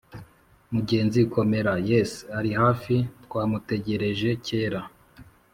Mugenzi komera Yes’ ari hafi, Twamutegereje kera